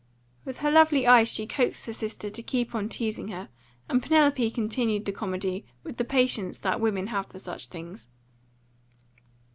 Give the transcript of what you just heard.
With her lovely eyes she coaxed her sister to keep on teasing her, and Penelope continued the comedy with the patience that women have for such things.